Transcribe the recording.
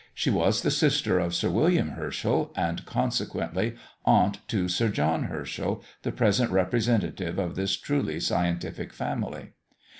She was the sister of Sir William Herschel; and consequently, aunt to Sir John Herschel, the present representative of this truly scientific family.